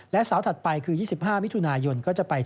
และส่วนถัดไปคือ๒๕มิถุนายน